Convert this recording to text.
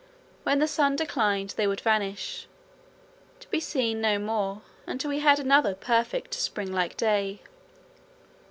When the sun declined they would vanish, to be seen no more until we had another perfect spring like day.